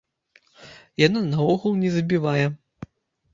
Яна наогул не забівае.